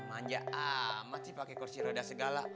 manja amat sih pakai kursi roda segala